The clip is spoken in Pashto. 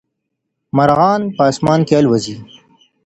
مرغان په اسمان کي البوځي.